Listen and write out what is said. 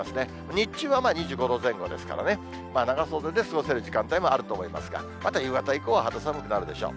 日中は２５度前後ですからね、長袖で過ごせる時間帯もあると思いますが、あとは夕方以降は肌寒くなるでしょう。